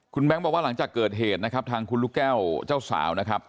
คุณแบงค์บอกว่าหลังจากเกิดเหตุนะครับทางคุณลูกแก้วเจ้าสาวนะครับ